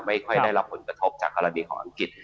ไม่ค่อยได้รับผลกระทบจากกรณีของอังกฤษ